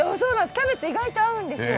キャベツ意外と合うんですよ。